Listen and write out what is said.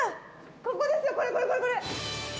ここですよ、これこれこれ。